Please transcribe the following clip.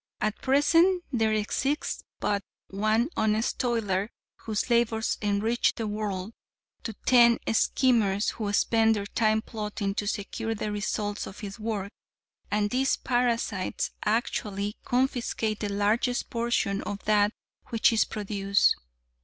At present there exists but one honest toiler whose labors enrich the world, to ten schemers who spend their time plotting to secure the results of his work; and these parasites actually confiscate the largest portion of that which is produced.